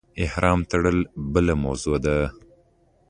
احرام تړل بله موضوع ده.